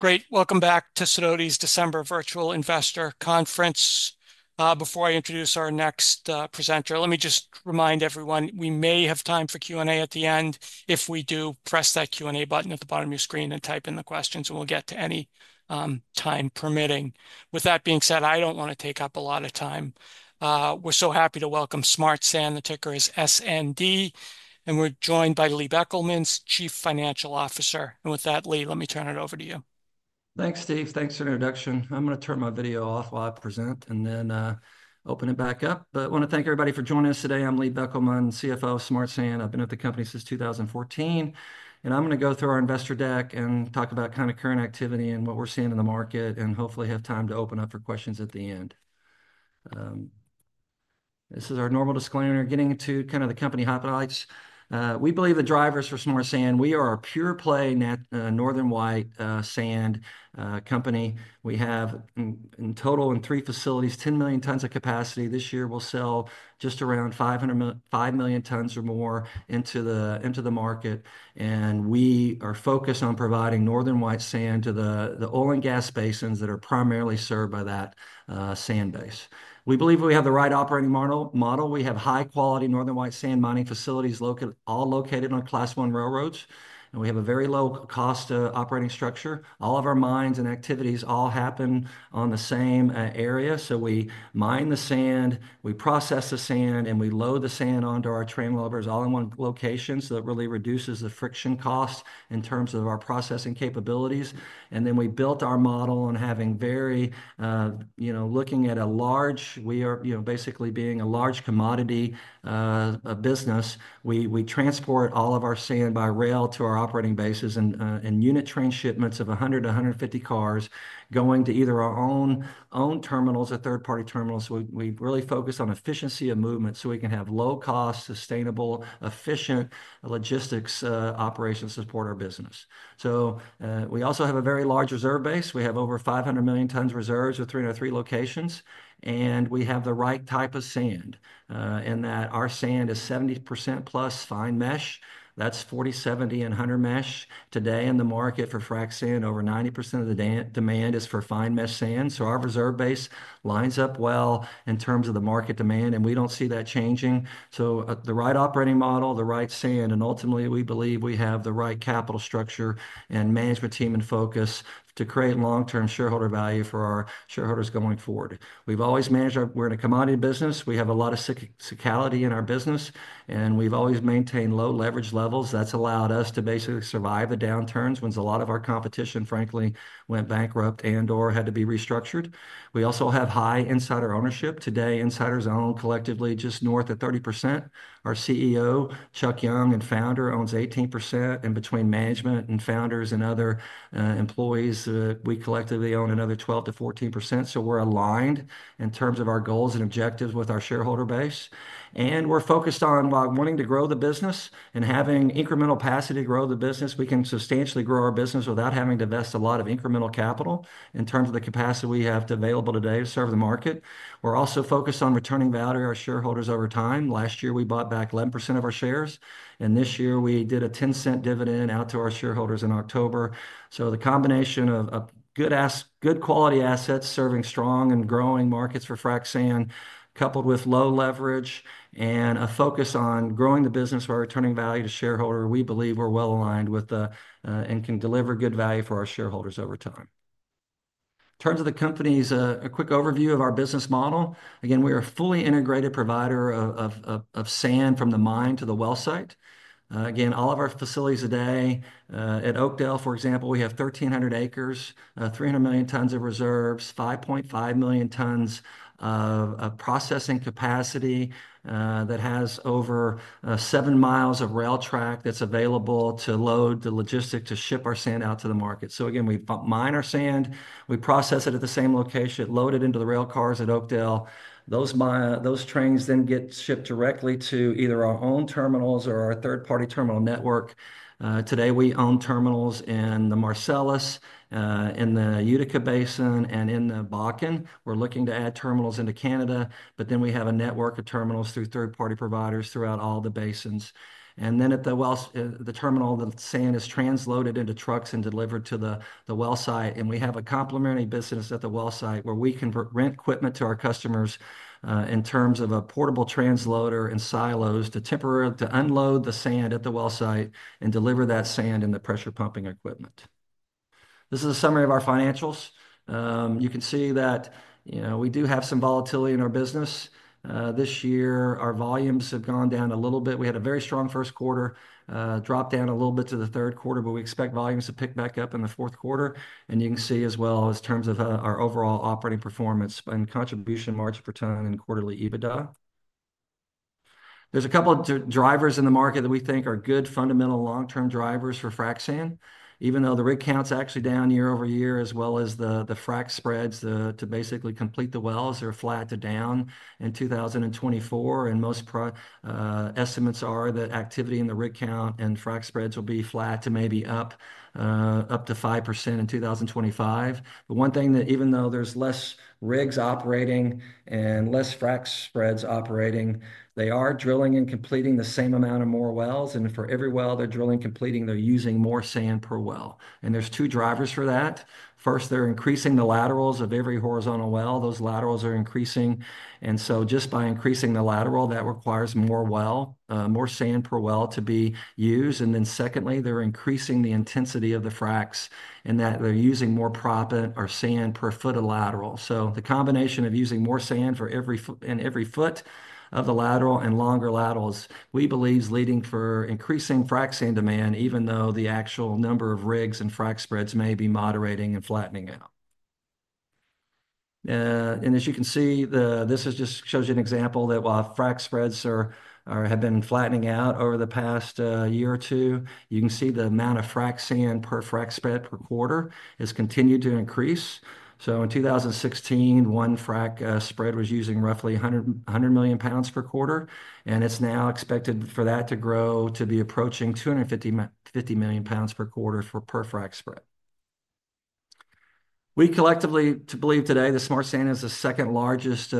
Great. Welcome back to Sidoti's December Virtual Investor Conference. Before I introduce our next presenter, let me just remind everyone we may have time for Q&A at the end. If we do, press that Q&A button at the bottom of your screen and type in the questions, and we'll get to any time permitting. With that being said, I don't want to take up a lot of time. We're so happy to welcome Smart Sand, the ticker is SND, and we're joined by Lee Beckelman, Chief Financial Officer. With that, Lee, let me turn it over to you. Thanks, Steve. Thanks for the introduction. I'm going to turn my video off while I present and then open it back up. But I want to thank everybody for joining us today. I'm Lee Beckelman, CFO of Smart Sand. I've been with the company since 2014, and I'm going to go through our investor deck and talk about kind of current activity and what we're seeing in the market, and hopefully have time to open up for questions at the end. This is our normal disclaimer. Getting into kind of the company highlights, we believe the drivers for Smart Sand. We are a pure play Northern White Sand company. We have in total in three facilities, 10 million tons of capacity. This year, we'll sell just around 5 million tons or more into the market. And we are focused on providing Northern White Sand to the oil and gas basins that are primarily served by that sand base. We believe we have the right operating model. We have high-quality Northern White Sand mining facilities all located on Class I railroads, and we have a very low-cost operating structure. All of our mines and activities all happen on the same area. So we mine the sand, we process the sand, and we load the sand onto our railcars all in one location. So that really reduces the friction cost in terms of our processing capabilities. And then we built our model on having very, you know, basically being a large commodity business. We transport all of our sand by rail to our operating bases and unit train shipments of 100 to 150 cars going to either our own terminals or third-party terminals. We really focus on efficiency of movement so we can have low-cost, sustainable, efficient logistics operations to support our business. So we also have a very large reserve base. We have over 500 million tons reserves at 303 locations, and we have the right type of sand in that our sand is 70% plus fine mesh. That's 40, 70, and 100 mesh. Today in the market for frac sand, over 90% of the demand is for fine mesh sand. So our reserve base lines up well in terms of the market demand, and we don't see that changing. So the right operating model, the right sand, and ultimately, we believe we have the right capital structure and management team in focus to create long-term shareholder value for our shareholders going forward. We've always managed our, we're in a commodity business. We have a lot of cyclicality in our business, and we've always maintained low leverage levels. That's allowed us to basically survive the downturns when a lot of our competition, frankly, went bankrupt and/or had to be restructured. We also have high insider ownership. Today, insiders own collectively just north of 30%. Our CEO, Chuck Young, and founder owns 18%. And between management and founders and other employees, we collectively own another 12%-14%. So we're aligned in terms of our goals and objectives with our shareholder base. And we're focused on wanting to grow the business and having incremental capacity to grow the business. We can substantially grow our business without having to vest a lot of incremental capital in terms of the capacity we have available today to serve the market. We're also focused on returning value to our shareholders over time. Last year, we bought back 11% of our shares, and this year we did a $0.10 dividend out to our shareholders in October. So the combination of good quality assets serving strong and growing markets for frac sand, coupled with low leverage and a focus on growing the business for our returning value to shareholders, we believe we're well aligned with and can deliver good value for our shareholders over time. In terms of the companies, a quick overview of our business model. Again, we are a fully integrated provider of sand from the mine to the well site. Again, all of our facilities today at Oakdale, for example, we have 1,300 acres, 300 million tons of reserves, 5.5 million tons of processing capacity that has over seven miles of rail track that's available to load the logistics to ship our sand out to the market, so again, we mine our sand, we process it at the same location, load it into the rail cars at Oakdale. Those trains then get shipped directly to either our own terminals or our third-party terminal network. Today, we own terminals in the Marcellus, in the Utica Basin, and in the Bakken. We're looking to add terminals into Canada, but then we have a network of terminals through third-party providers throughout all the basins, and then at the terminal, the sand is transloaded into trucks and delivered to the well site. We have a complementary business at the well site where we can rent equipment to our customers in terms of a portable transloader and silos to temporarily unload the sand at the well site and deliver that sand and the pressure pumping equipment. This is a summary of our financials. You can see that, you know, we do have some volatility in our business. This year, our volumes have gone down a little bit. We had a very strong first quarter, dropped down a little bit to the third quarter, but we expect volumes to pick back up in the fourth quarter. You can see as well as terms of our overall operating performance and contribution margin per ton and quarterly EBITDA. There's a couple of drivers in the market that we think are good fundamental long-term drivers for frac sand. Even though the rig count's actually down year over year, as well as the frac spreads to basically complete the wells, they're flat to down in 2024. And most estimates are that activity in the rig count and frac spreads will be flat to maybe up to 5% in 2025. But one thing that even though there's less rigs operating and less frac spreads operating, they are drilling and completing the same amount of more wells. And for every well they're drilling and completing, they're using more sand per well. And there's two drivers for that. First, they're increasing the laterals of every horizontal well. Those laterals are increasing. And so just by increasing the lateral, that requires more well, more sand per well to be used. And then secondly, they're increasing the intensity of the fracs in that they're using more proppant or sand per foot of lateral. The combination of using more sand in every foot of the lateral and longer laterals, we believe, is leading to increasing frac sand demand, even though the actual number of rigs and frac spreads may be moderating and flattening out. As you can see, this just shows you an example that while frac spreads have been flattening out over the past year or two, you can see the amount of frac sand per frac spread per quarter has continued to increase. In 2016, one frac spread was using roughly 100 million lbs per quarter, and it's now expected for that to grow to be approaching 250 million lbs per quarter per frac spread. We collectively believe today that Smart Sand is the second largest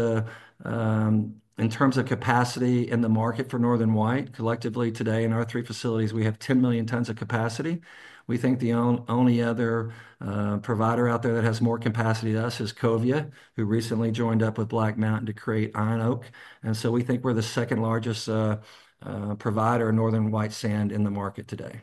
in terms of capacity in the market for Northern White. Collectively today, in our three facilities, we have 10 million tons of capacity. We think the only other provider out there that has more capacity than us is Covia, who recently joined up with Black Mountain Sand to create Iron Oak, and so we think we're the second largest provider of Northern White sand in the market today.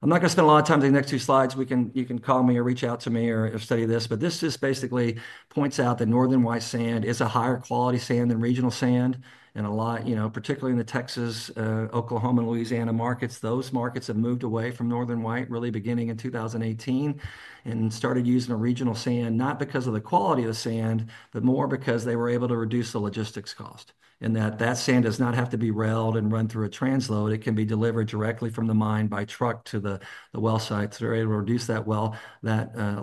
I'm not going to spend a lot of time on the next two slides. You can call me or reach out to me or study this, but this just basically points out that Northern White sand is a higher quality sand than regional sand. A lot, you know, particularly in the Texas, Oklahoma, and Louisiana markets, those markets have moved away from Northern White really beginning in 2018 and started using a regional sand, not because of the quality of the sand, but more because they were able to reduce the logistics cost. That sand does not have to be railed and run through a transload. It can be delivered directly from the mine by truck to the well sites. They're able to reduce that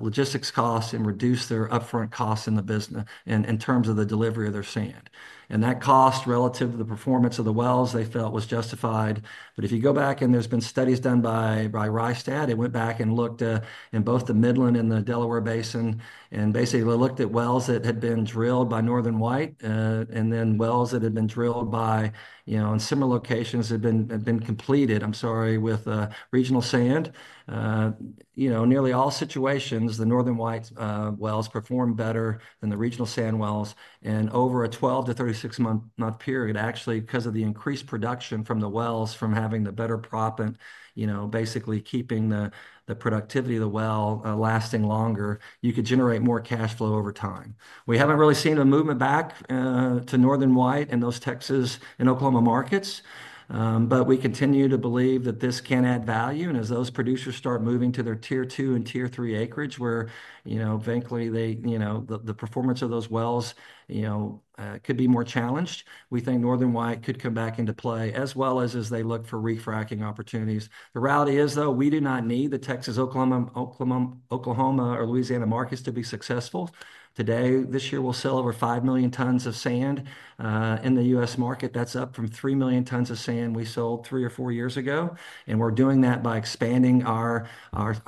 logistics cost and reduce their upfront costs in the business in terms of the delivery of their sand. That cost relative to the performance of the wells, they felt, was justified. but if you go back, and there's been studies done by Rystad, it went back and looked in both the Midland and the Delaware Basin, and basically looked at wells that had been drilled by Northern White and then wells that had been drilled by, you know, in similar locations had been completed, I'm sorry, with regional sand. You know, in nearly all situations, the Northern White wells performed better than the regional sand wells. and over a 12-36-month period, actually, because of the increased production from the wells, from having the better proppant, you know, basically keeping the productivity of the well lasting longer, you could generate more cash flow over time. We haven't really seen a movement back to Northern White in those Texas and Oklahoma markets, but we continue to believe that this can add value. As those producers start moving to their Tier 2 and Tier 3 acreage, where, you know, frankly, the performance of those wells, you know, could be more challenged, we think Northern White could come back into play as well as they look for refracking opportunities. The reality is, though, we do not need the Texas, Oklahoma, or Louisiana markets to be successful. Today, this year, we'll sell over five million tons of sand in the U.S. market. That's up from three million tons of sand we sold three or four years ago. We're doing that by expanding our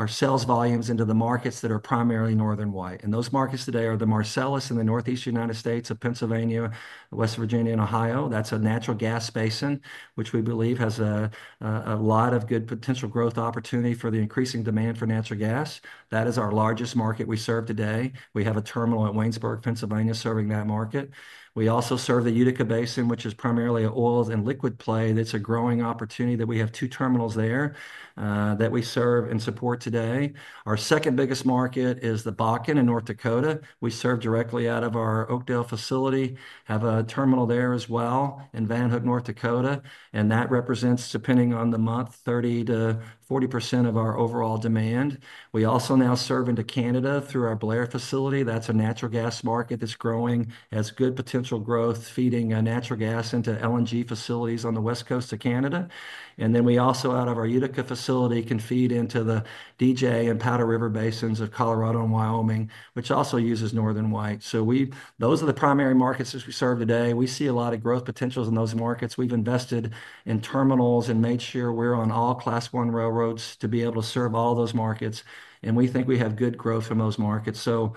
sales volumes into the markets that are primarily Northern White. Those markets today are the Marcellus in the Northeast United States of Pennsylvania, West Virginia, and Ohio. That's a natural gas basin, which we believe has a lot of good potential growth opportunity for the increasing demand for natural gas. That is our largest market we serve today. We have a terminal at Waynesburg, Pennsylvania, serving that market. We also serve the Utica Basin, which is primarily an oil and liquid play. That's a growing opportunity that we have two terminals there that we serve and support today. Our second biggest market is the Bakken in North Dakota. We serve directly out of our Oakdale facility, have a terminal there as well in Van Hook, North Dakota. And that represents, depending on the month, 30%-40% of our overall demand. We also now serve into Canada through our Blair facility. That's a natural gas market that's growing as good potential growth, feeding natural gas into LNG facilities on the west coast of Canada. And then we also, out of our Utica facility, can feed into the DJ and Powder River basins of Colorado and Wyoming, which also uses Northern White. So those are the primary markets as we serve today. We see a lot of growth potentials in those markets. We have invested in terminals and made sure we are on all Class I railroads to be able to serve all those markets. And we think we have good growth from those markets. So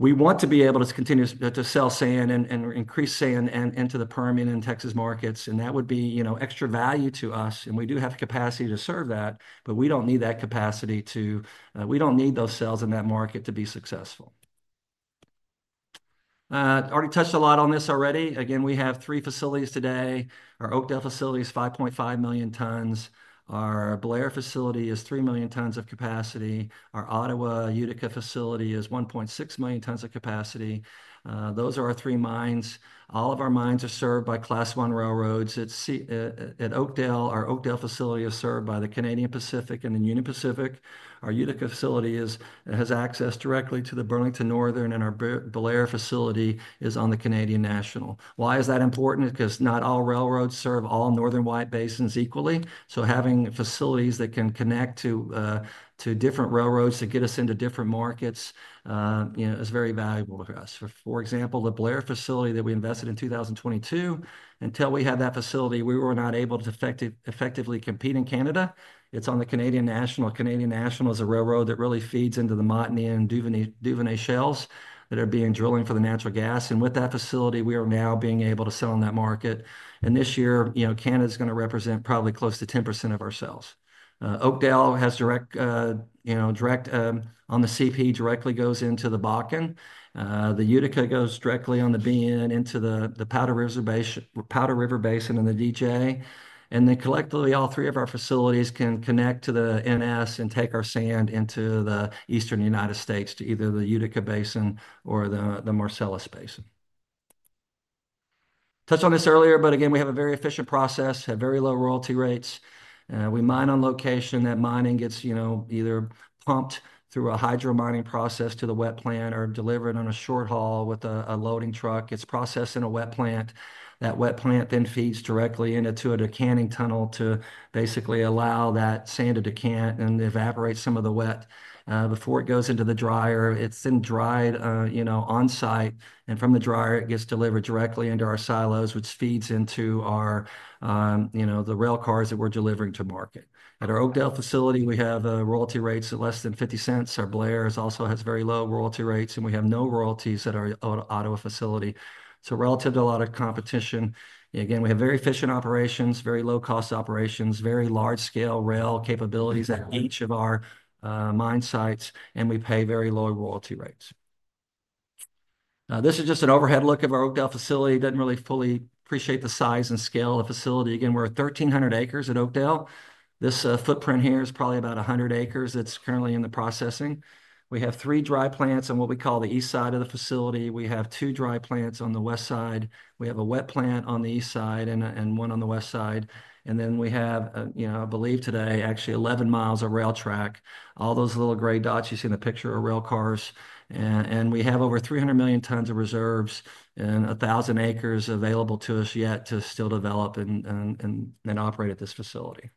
we want to be able to continue to sell sand and increase sand into the Permian and Texas markets. And that would be, you know, extra value to us. And we do have capacity to serve that, but we do not need that capacity to, we do not need those sales in that market to be successful. Already touched a lot on this already. Again, we have three facilities today. Our Oakdale facility is 5.5 million tons. Our Blair facility is 3 million tons of capacity. Our Ottawa Utica facility is 1.6 million tons of capacity. Those are our three mines. All of our mines are served by Class I railroads. At Oakdale, our Oakdale facility is served by the Canadian Pacific and the Union Pacific. Our Utica facility has access directly to the Burlington Northern, and our Blair facility is on the Canadian National. Why is that important? Because not all railroads serve all Northern White basins equally. So having facilities that can connect to different railroads to get us into different markets, you know, is very valuable for us. For example, the Blair facility that we invested in 2022, until we had that facility, we were not able to effectively compete in Canada. It's on the Canadian National. Canadian National is a railroad that really feeds into the Montney and Duvernay shales that are being drilled for the natural gas. With that facility, we are now being able to sell on that market. This year, you know, Canada is going to represent probably close to 10% of our sales. Oakdale has direct, you know, direct on the CP directly goes into the Bakken. The Utica goes directly on the BN into the Powder River Basin and the DJ. Then collectively, all three of our facilities can connect to the NS and take our sand into the Eastern United States to either the Utica Basin or the Marcellus Basin. Touched on this earlier, but again, we have a very efficient process, have very low royalty rates. We mine on location. That mining gets, you know, either pumped through a hydro mining process to the wet plant or delivered on a short haul with a loading truck. It's processed in a wet plant. That wet plant then feeds directly into a decanting tunnel to basically allow that sand to decant and evaporate some of the wet before it goes into the dryer. It's then dried, you know, on site, and from the dryer, it gets delivered directly into our silos, which feeds into our, you know, the rail cars that we're delivering to market. At our Oakdale facility, we have royalty rates of less than $0.50. Our Blair also has very low royalty rates, and we have no royalties at our Ottawa facility. So relative to a lot of competition, again, we have very efficient operations, very low-cost operations, very large-scale rail capabilities at each of our mine sites, and we pay very low royalty rates. This is just an overhead look of our Oakdale facility. Didn't really fully appreciate the size and scale of the facility. Again, we're at 1,300 acres at Oakdale. This footprint here is probably about 100 acres that's currently in the processing. We have three dry plants on what we call the east side of the facility. We have two dry plants on the west side. We have a wet plant on the east side and one on the west side. And then we have, you know, I believe today, actually 11 miles of rail track. All those little gray dots you see in the picture are rail cars. We have over 300 million tons of reserves and 1,000 acres available to us yet to still develop and operate at this facility.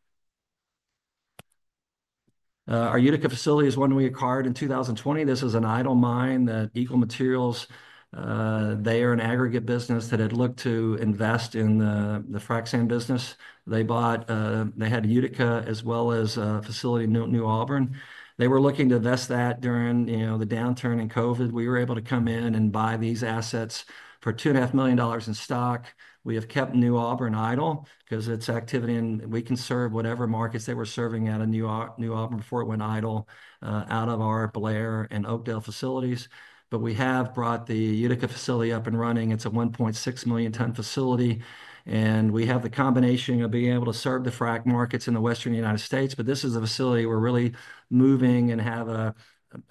Our Utica facility is one we acquired in 2020. This is an idle mine that Eagle Materials, they are an aggregate business that had looked to invest in the frac sand business. They bought, they had Utica as well as a facility in New Auburn. They were looking to invest that during, you know, the downturn in COVID. We were able to come in and buy these assets for $2.5 million in stock. We have kept New Auburn idle because it's activity, and we can serve whatever markets they were serving at in New Auburn before it went idle out of our Blair and Oakdale facilities. But we have brought the Utica facility up and running. It's a 1.6 million ton facility. We have the combination of being able to serve the frac markets in the Western United States. This is a facility we're really moving and have a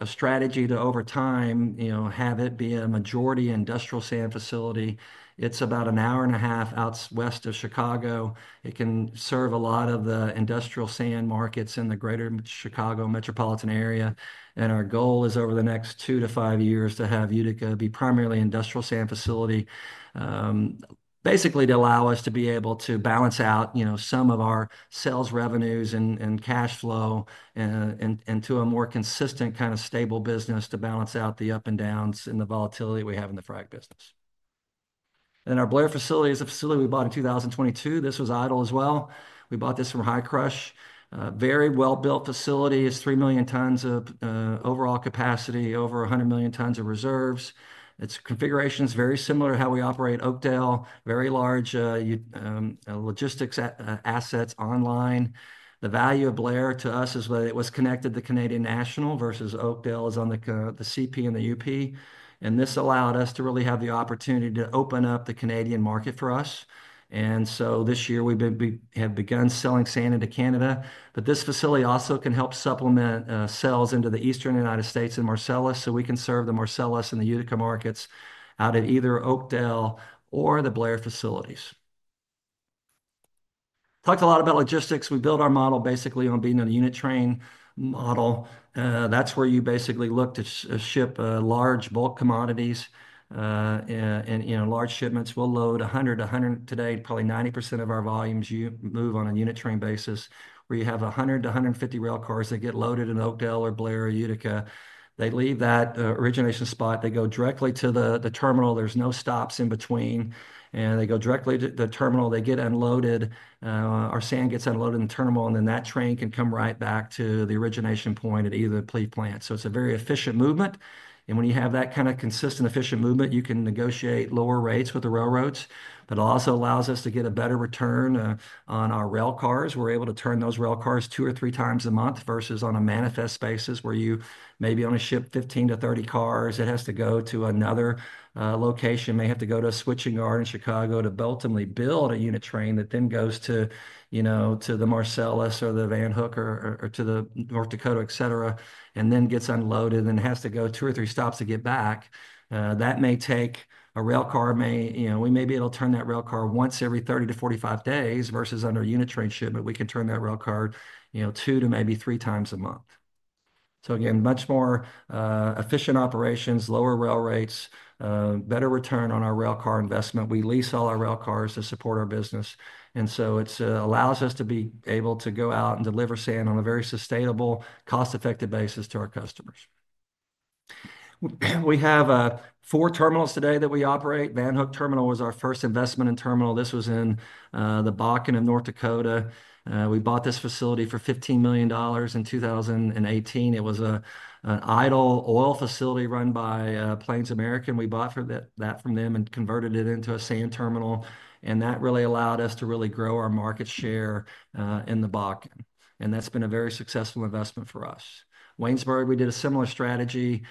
strategy to, over time, you know, have it be a majority industrial sand facility. It's about an hour and a half out west of Chicago. It can serve a lot of the industrial sand markets in the greater Chicago metropolitan area. Our goal is, over the next two to five years, to have Utica be primarily an industrial sand facility, basically to allow us to be able to balance out, you know, some of our sales revenues and cash flow into a more consistent kind of stable business to balance out the up and downs and the volatility we have in the frac business. Our Blair facility is a facility we bought in 2022. This was idle as well. We bought this from Hi-Crush. Very well-built facility. It's 3 million tons of overall capacity, over 100 million tons of reserves. Its configuration is very similar to how we operate Oakdale. Very large logistics assets online. The value of Blair to us is that it was connected to the Canadian National versus Oakdale is on the CP and the UP. And this allowed us to really have the opportunity to open up the Canadian market for us. And so this year, we have begun selling sand into Canada. But this facility also can help supplement sales into the Eastern United States and Marcellus so we can serve the Marcellus and the Utica markets out at either Oakdale or the Blair facilities. Talked a lot about logistics. We build our model basically on being a unit train model. That's where you basically look to ship large bulk commodities. And, you know, large shipments will load 100 to 100 today. Probably 90% of our volumes move on a unit train basis where you have 100-150 rail cars that get loaded in Oakdale or Blair or Utica. They leave that origination spot. They go directly to the terminal. There's no stops in between. And they go directly to the terminal. They get unloaded. Our sand gets unloaded in the terminal, and then that train can come right back to the origination point at either the Blair plant. So it's a very efficient movement. And when you have that kind of consistent efficient movement, you can negotiate lower rates with the railroads. But it also allows us to get a better return on our rail cars. We're able to turn those rail cars two or three times a month versus on a manifest basis where you may be on a ship 15-30 cars. It has to go to another location. May have to go to a switching yard in Chicago to build and rebuild a unit train that then goes to, you know, to the Marcellus or the Van Hook or to the North Dakota, et cetera, and then gets unloaded and has to go two or three stops to get back. That may take a rail car. May, you know, we may be able to turn that rail car once every 30-45 days versus under unit train shipment, we can turn that rail car, you know, two to maybe three times a month. So again, much more efficient operations, lower rail rates, better return on our rail car investment. We lease all our rail cars to support our business. And so it allows us to be able to go out and deliver sand on a very sustainable, cost-effective basis to our customers. We have four terminals today that we operate. Van Hook terminal was our first investment in terminal. This was in the Bakken of North Dakota. We bought this facility for $15 million in 2018. It was an idle oil facility run by Plains All American. We bought that from them and converted it into a sand terminal. And that really allowed us to really grow our market share in the Bakken. And that's been a very successful investment for us. Waynesburg, we did a similar strategy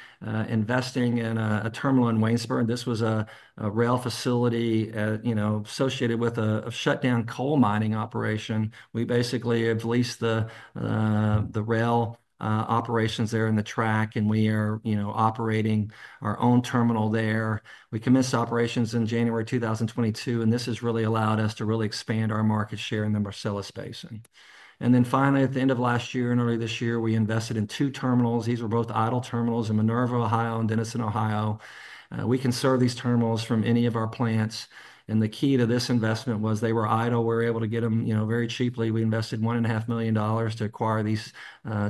investing in a terminal in Waynesburg. This was a rail facility, you know, associated with a shutdown coal mining operation. We basically have leased the rail operations there in the track, and we are, you know, operating our own terminal there. We commenced operations in January 2022, and this has really allowed us to really expand our market share in the Marcellus Basin. And then finally, at the end of last year and early this year, we invested in two terminals. These were both idle terminals in Minerva, Ohio, and Dennison, Ohio. We can serve these terminals from any of our plants. And the key to this investment was they were idle. We were able to get them, you know, very cheaply. We invested $1.5 million to acquire these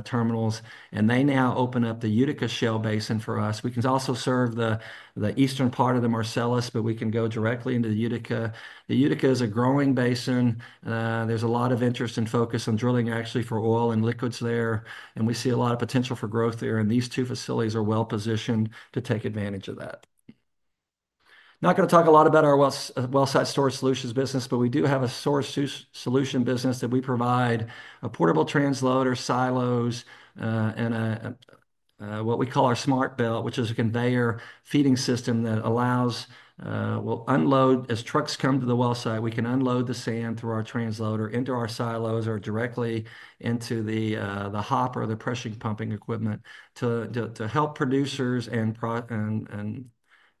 terminals. And they now open up the Utica Shale Basin for us. We can also serve the eastern part of the Marcellus, but we can go directly into the Utica. The Utica is a growing basin. There's a lot of interest and focus on drilling, actually, for oil and liquids there, and we see a lot of potential for growth there, and these two facilities are well-positioned to take advantage of that. Not going to talk a lot about our wellsite storage solutions business, but we do have a storage solution business that we provide a portable transloader, silos, and what we call our SmartBelt, which is a conveyor feeding system that allows, will unload as trucks come to the wellsite. We can unload the sand through our transloader into our silos or directly into the hopper or the pressure pumping equipment to help producers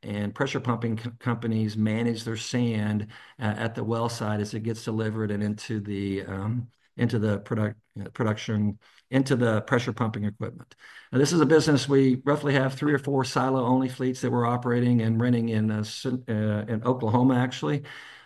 and pressure pumping companies manage their sand at the wellsite as it gets delivered and into the production, into the pressure pumping equipment. This is a business we roughly have three or four silo-only fleets that we're operating and running in Oklahoma, actually.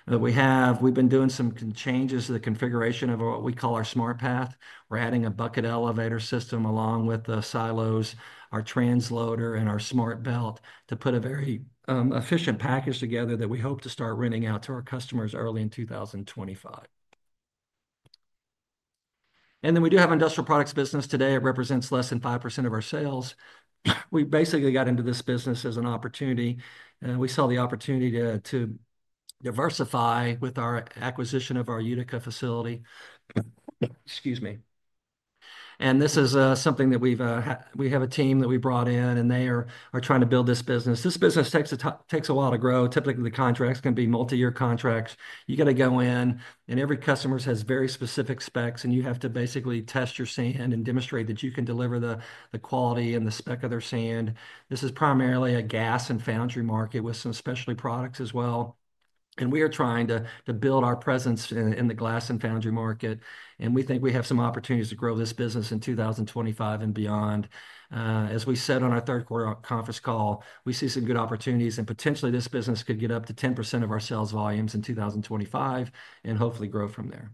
We have, we've been doing some changes to the configuration of what we call our SmartPath. We're adding a bucket elevator system along with the silos, our transloader, and our SmartBelt to put a very efficient package together that we hope to start running out to our customers early in 2025. And then we do have an industrial products business today. It represents less than 5% of our sales. We basically got into this business as an opportunity. We saw the opportunity to diversify with our acquisition of our Utica facility. Excuse me. And this is something that we've, we have a team that we brought in, and they are trying to build this business. This business takes a while to grow. Typically, the contracts can be multi-year contracts. You got to go in, and every customer has very specific specs, and you have to basically test your sand and demonstrate that you can deliver the quality and the spec of their sand. This is primarily a glass and foundry market with some specialty products as well. And we are trying to build our presence in the glass and foundry market. And we think we have some opportunities to grow this business in 2025 and beyond. As we said on our third quarter conference call, we see some good opportunities, and potentially this business could get up to 10% of our sales volumes in 2025 and hopefully grow from there.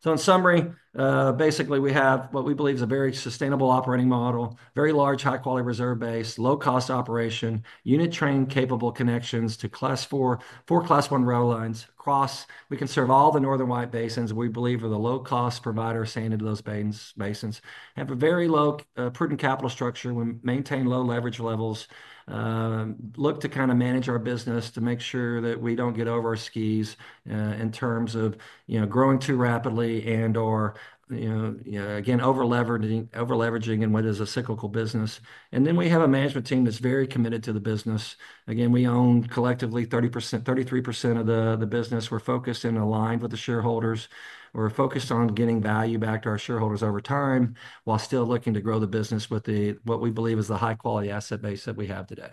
So in summary, basically we have what we believe is a very sustainable operating model, very large, high-quality reserve base, low-cost operation, unit train capable connections to four Class I rail lines across. We can serve all the Northern White basins, we believe, with a low-cost provider of sand into those basins. Have a very low prudent capital structure. We maintain low leverage levels. Look to kind of manage our business to make sure that we don't get over our skis in terms of, you know, growing too rapidly and/or, you know, again, over-leveraging in what is a cyclical business. And then we have a management team that's very committed to the business. Again, we own collectively 30%, 33% of the business. We're focused and aligned with the shareholders. We're focused on getting value back to our shareholders over time while still looking to grow the business with what we believe is the high-quality asset base that we have today.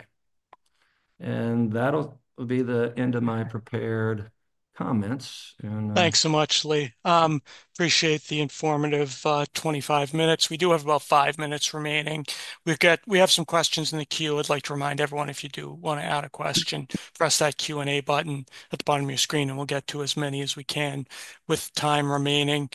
And that'll be the end of my prepared comments. And thanks so much, Lee. Appreciate the informative 25 minutes. We do have about five minutes remaining. We have some questions in the queue. I'd like to remind everyone, if you do want to add a question, press that Q&A button at the bottom of your screen, and we'll get to as many as we can with time remaining.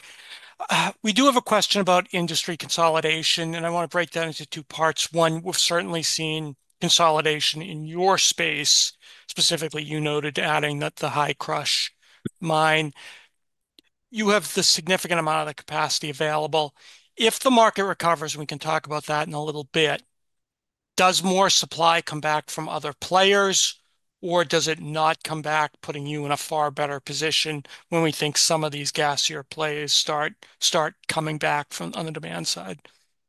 We do have a question about industry consolidation, and I want to break that into two parts. One, we've certainly seen consolidation in your space. Specifically, you noted adding that the Hi-Crush mine, you have the significant amount of the capacity available. If the market recovers, and we can talk about that in a little bit, does more supply come back from other players, or does it not come back, putting you in a far better position when we think some of these gassier players start coming back from on the demand side?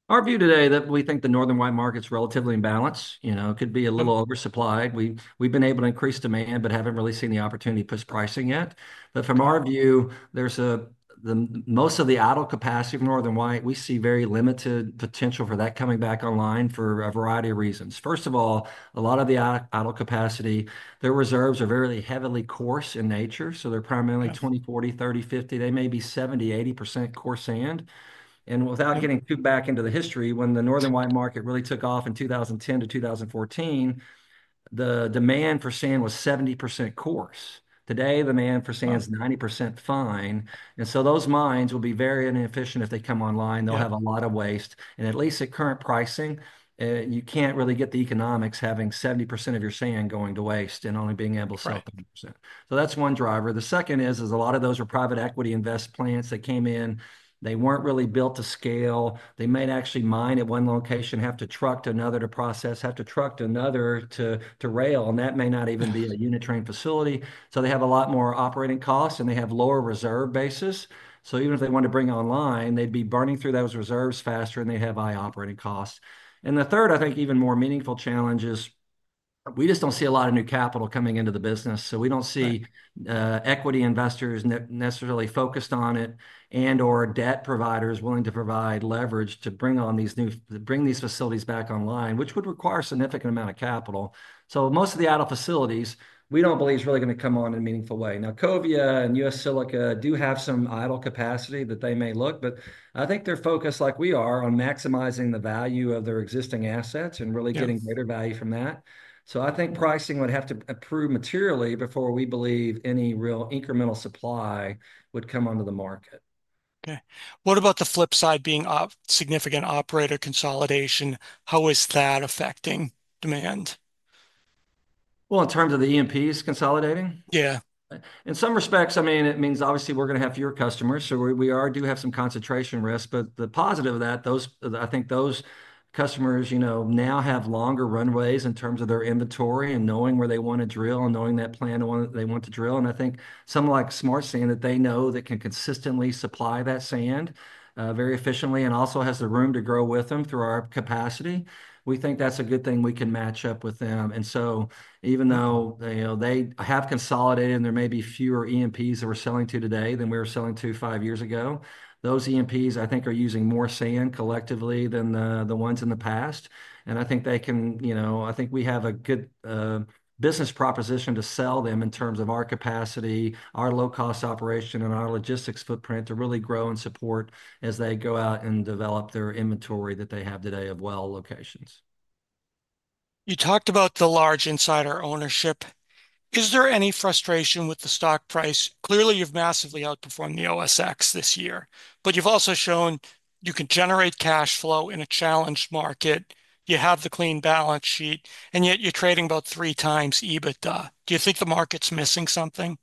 Our view today is that we think the Northern White market's relatively in balance. You know, it could be a little oversupplied. We've been able to increase demand, but haven't really seen the opportunity to push pricing yet. But from our view, there's a, the most of the idle capacity of Northern White, we see very limited potential for that coming back online for a variety of reasons. First of all, a lot of the idle capacity, their reserves are very heavily coarse in nature. So they're primarily 20, 40, 30, 50. They may be 70%-80% coarse sand. And without getting too back into the history, when the Northern White market really took off in 2010 to 2014, the demand for sand was 70% coarse. Today, the demand for sand is 90% fine. And so those mines will be very inefficient if they come online. They'll have a lot of waste. And at least at current pricing, you can't really get the economics having 70% of your sand going to waste and only being able to sell 20%. So that's one driver. The second is a lot of those are private equity invested plants that came in. They weren't really built to scale. They might actually mine at one location, have to truck to another to process, have to truck to another to rail, and that may not even be a unit train facility. So they have a lot more operating costs, and they have lower reserve basis. So even if they want to bring online, they'd be burning through those reserves faster, and they have high operating costs. And the third, I think even more meaningful challenge is we just don't see a lot of new capital coming into the business. So we don't see equity investors necessarily focused on it and/or debt providers willing to provide leverage to bring on these new, bring these facilities back online, which would require a significant amount of capital. So most of the idle facilities, we don't believe is really going to come on in a meaningful way. Now, Covia and U.S. Silica do have some idle capacity that they may look, but I think they're focused, like we are, on maximizing the value of their existing assets and really getting greater value from that. I think pricing would have to improve materially before we believe any real incremental supply would come onto the market. Okay. What about the flip side being significant operator consolidation? How is that affecting demand? In terms of the E&Ps consolidating? Yeah. In some respects, I mean, it means obviously we're going to have fewer customers. So we do have some concentration risk. But the positive of that, those, I think those customers, you know, now have longer runways in terms of their inventory and knowing where they want to drill and knowing that plan they want to drill. I think some like Smart Sand that they know that can consistently supply that sand very efficiently and also has the room to grow with them through our capacity. We think that's a good thing we can match up with them. And so even though, you know, they have consolidated and there may be fewer E&Ps that we're selling to today than we were selling to five years ago, those EMPs, I think, are using more sand collectively than the ones in the past. And I think they can, you know, I think we have a good business proposition to sell them in terms of our capacity, our low-cost operation, and our logistics footprint to really grow and support as they go out and develop their inventory that they have today of well locations. You talked about the large insider ownership. Is there any frustration with the stock price? Clearly, you've massively outperformed the OSX this year, but you've also shown you can generate cash flow in a challenged market. You have the clean balance sheet, and yet you're trading about three times EBITDA. Do you think the market's missing something?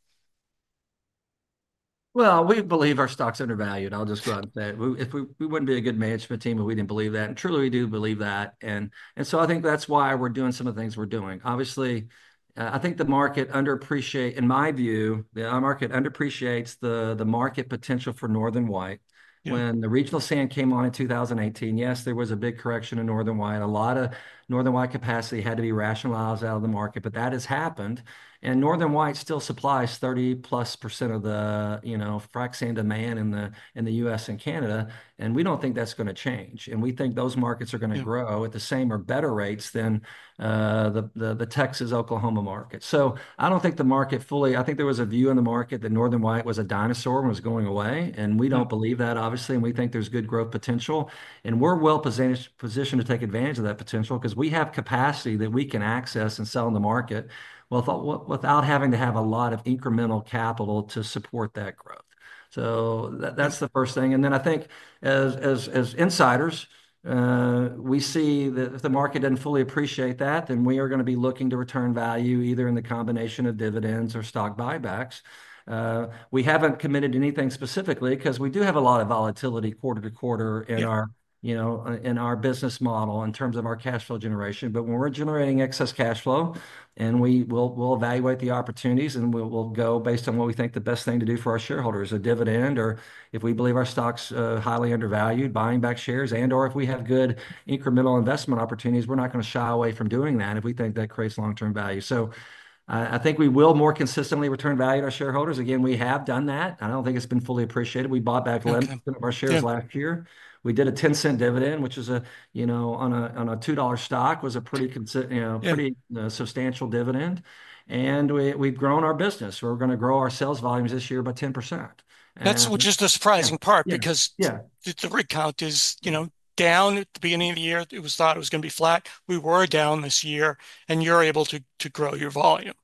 We believe our stock's undervalued. I'll just go out and say it. We wouldn't be a good management team, but we didn't believe that, and truly, we do believe that, and so I think that's why we're doing some of the things we're doing. Obviously, I think the market underappreciates, in my view, the market underappreciates the market potential for Northern White. When the Regional sand came on in 2018, yes, there was a big correction in Northern White. A lot of Northern White capacity had to be rationalized out of the market, but that has happened, and Northern White still supplies 30+% of the, you know, frac sand demand in the U.S. and Canada, and we don't think that's going to change, and we think those markets are going to grow at the same or better rates than the Texas-Oklahoma market. So, I don't think the market fully [appreciated]. I think there was a view in the market that Northern White was a dinosaur and was going away. And we don't believe that, obviously. And we think there's good growth potential. And we're well positioned to take advantage of that potential because we have capacity that we can access and sell in the market without having to have a lot of incremental capital to support that growth. So that's the first thing. And then I think as insiders, we see that if the market didn't fully appreciate that, then we are going to be looking to return value either in the combination of dividends or stock buybacks. We haven't committed to anything specifically because we do have a lot of volatility quarter to quarter in our, you know, in our business model in terms of our cash flow generation. But when we're generating excess cash flow, and we will evaluate the opportunities, and we'll go based on what we think the best thing to do for our shareholders is a dividend, or if we believe our stock's highly undervalued, buying back shares, and/or if we have good incremental investment opportunities, we're not going to shy away from doing that if we think that creates long-term value. So I think we will more consistently return value to our shareholders. Again, we have done that. I don't think it's been fully appreciated. We bought back 11% of our shares last year. We did a $0.10 dividend, which is a, you know, on a $2 stock was a pretty, you know, pretty substantial dividend. And we've grown our business. We're going to grow our sales volumes this year by 10%. That's just a surprising part because the rig count is, you know, down at the beginning of the year. It was thought it was going to be flat. We were down this year, and you're able to grow your volume.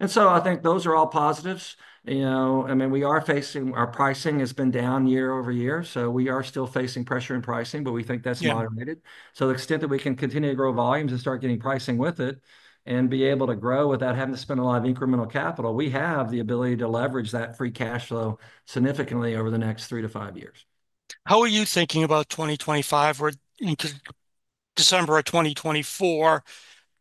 And so I think those are all positives. You know, I mean, we are facing. Our pricing has been down year over year. So we are still facing pressure in pricing, but we think that's moderated. So the extent that we can continue to grow volumes and start getting pricing with it and be able to grow without having to spend a lot of incremental capital, we have the ability to leverage that free cash flow significantly over the next three to five years. How are you thinking about 2025 or in December of 2024?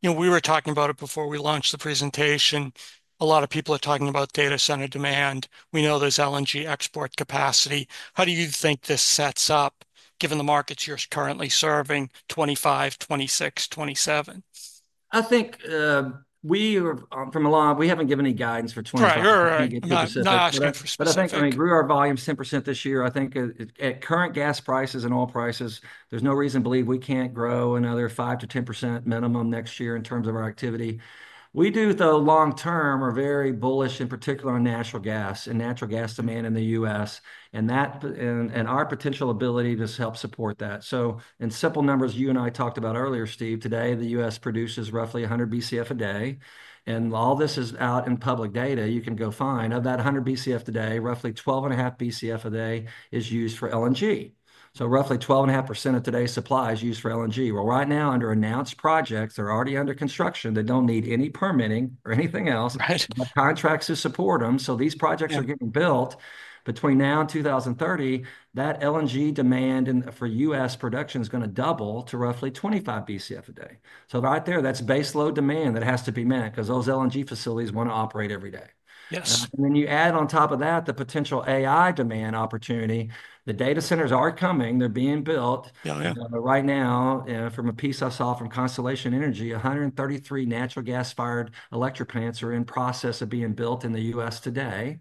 You know, we were talking about it before we launched the presentation. A lot of people are talking about data center demand. We know there's LNG export capacity. How do you think this sets up given the markets you're currently serving 2025, 2026, 2027? I think we have from a lot, we haven't given any guidance for 2024. Right. No, no, no. But I think, I mean, grew our volumes 10% this year. I think at current gas prices and oil prices, there's no reason to believe we can't grow another 5%-10% minimum next year in terms of our activity. We do, though, long-term, are very bullish, in particular on natural gas and natural gas demand in the U.S. and that and our potential ability to help support that. So in simple numbers, you and I talked about earlier, Steve, today the U.S. produces roughly 100 BCF a day, and all this is out in public data. You can go find out of that 100 BCF today, roughly 12.5 BCF a day is used for LNG. So roughly 12.5% of today's supply is used for LNG. Well, right now, under announced projects, they're already under construction. They don't need any permitting or anything else. Contracts to support them. So these projects are getting built between now and 2030. That LNG demand for U.S. production is going to double to roughly 25 BCF a day. So right there, that's base load demand that has to be met because those LNG facilities want to operate every day. Yes. And then you add on top of that the potential AI demand opportunity. The data centers are coming. They're being built. Yeah, yeah. Right now, from a piece I saw from Constellation Energy, 133 natural gas-fired electric plants are in process of being built in the U.S. today.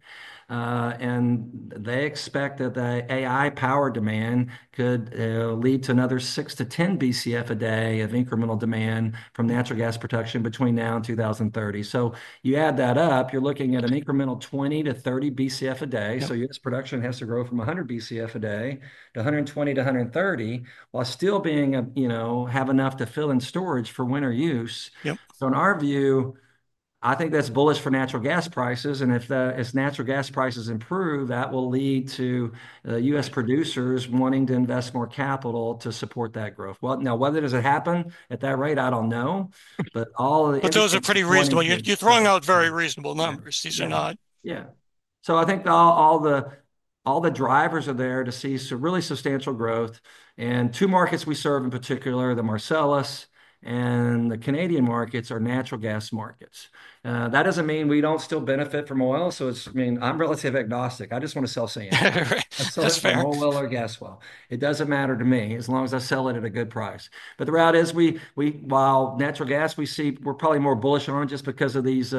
And they expect that the AI-powered demand could lead to another 6-10 BCF a day of incremental demand from natural gas production between now and 2030. So you add that up, you're looking at an incremental 20-30 BCF a day. So U.S. production has to grow from 100 BCF a day to 120-130 while still being, you know, have enough to fill in storage for winter use. So in our view, I think that's bullish for natural gas prices. And if the, if natural gas prices improve, that will lead to the U.S. producers wanting to invest more capital to support that growth. Well, now, whether it doesn't happen at that rate, I don't know. But those are pretty reasonable. You're throwing out very reasonable numbers. These are not. Yeah. So I think all the drivers are there to see some really substantial growth. And two markets we serve in particular, the Marcellus and the Canadian markets are natural gas markets. That doesn't mean we don't still benefit from oil. So it's, I mean, I'm relatively agnostic. I just want to sell sand. That's fair. Oil or gas oil. It doesn't matter to me as long as I sell it at a good price. But the route is we, while natural gas, we see we're probably more bullish on it just because of these,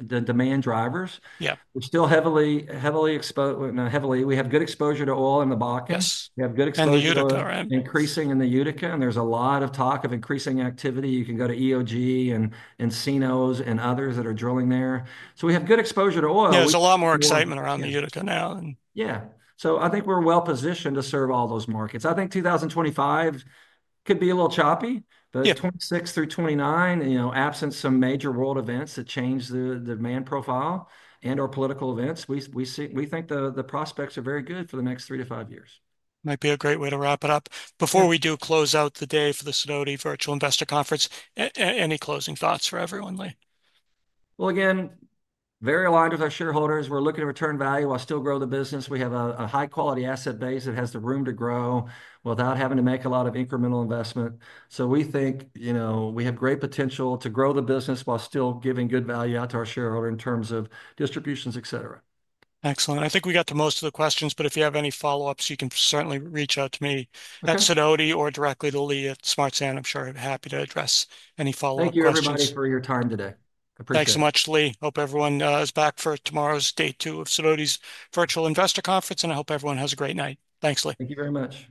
the demand drivers. Yeah. We're still heavily exposed. We have good exposure to oil in the Bakken. Yes. We have good exposure to oil. Increasing in the Utica. And there's a lot of talk of increasing activity. You can go to EOG and Encino and others that are drilling there. So we have good exposure to oil. There's a lot more excitement around the Utica now. And yeah. So I think we're well positioned to serve all those markets. I think 2025 could be a little choppy, but 2026 through 2029, you know, absent some major world events that change the demand profile and/or political events, we see, we think the prospects are very good for the next three to five years. Might be a great way to wrap it up. Before we do close out the day for the Sidoti Virtual Investor Conference, any closing thoughts for everyone, Lee? Well, again, very aligned with our shareholders. We're looking to return value while still grow the business. We have a high-quality asset base that has the room to grow without having to make a lot of incremental investment. So we think, you know, we have great potential to grow the business while still giving good value out to our shareholder in terms of distributions, etc. Excellent. I think we got the most of the questions, but if you have any follow-ups, you can certainly reach out to me at Sidoti or directly to Lee at Smart Sand. I'm sure I'm happy to address any follow-up questions. Thank you everybody for your time today. I appreciate it. Thanks so much, Lee. Hope everyone is back for tomorrow's day two of Sidoti's Virtual Investor Conference, and I hope everyone has a great night. Thanks, Lee. Thank you very much.